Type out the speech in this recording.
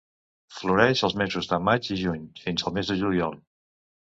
Floreix els mesos de maig i juny, fins al mes de juliol.